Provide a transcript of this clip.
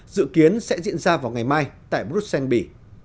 dự kiến sẽ diễn ra vào ngày mai tại bruxelles bỉ